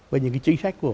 về những cái chính sách của